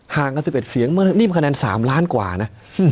ห่างกัน๑๑เสียงนี่มันคะแนน๓ล้านกว่านะ